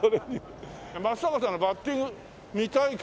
松坂さんのバッティング見たいけど。